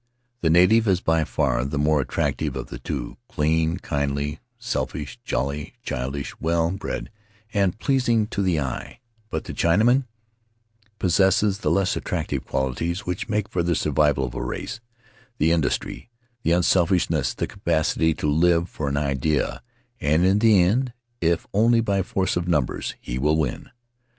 The native is by far the more attractive of the two — clean, kindly, selfish, jolly, childish, well bred, and pleasing to the eye; but the Chinaman possesses the less attractive qualities which make for the survival of a race — the industry, the unselfishness, the capacity to live for an idea — and in the end, if only by force of numbers, he will win.